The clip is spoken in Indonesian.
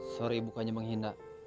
sorry bukannya menghina